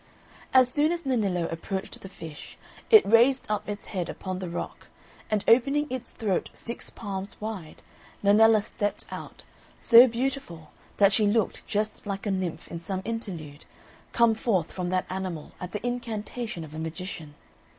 As soon as Nennillo approached the fish, it raised up its head upon the rock, and opening its throat six palms wide, Nennella stepped out, so beautiful that she looked just like a nymph in some interlude, come forth from that animal at the incantation of a magician.